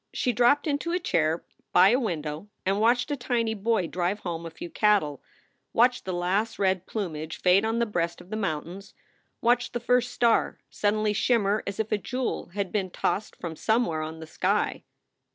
She dropped into a chair by a window and watched a tiny boy drive home a few cattle, watched the last red plumage fade on the breast of the mountains, watched the first star suddenly shimmer as if a jewel had been tossed from some where on the sky.